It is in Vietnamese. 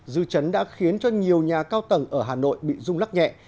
dư chấn đã khiến cho nhiều nhà cao tầng ở hà nội bị rung lắc nhẹ